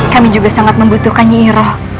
kami juga sangat membutuhkan nyai roh